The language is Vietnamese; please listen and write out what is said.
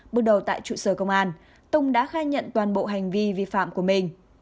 bước đầu tại trụ sở công an tùng đã khai nhận toàn bộ hành vi vi phạm của mình